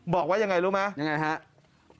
บอกไว้อย่างไรรู้ไหมอย่างไรครับ